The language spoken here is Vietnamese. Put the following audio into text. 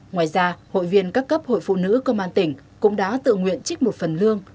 ngoài ra hội viên các cấp hội phụ nữ công an tỉnh cũng đã tự nguyện trích một phần lương